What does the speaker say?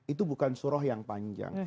itu bukan surah yang panjang